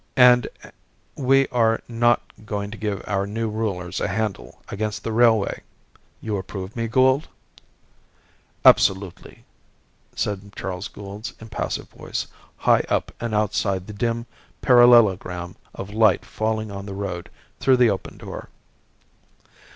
"And we are not going to give our new rulers a handle against the railway. You approve me, Gould?" "Absolutely," said Charles Gould's impassive voice, high up and outside the dim parallelogram of light falling on the road through the open door.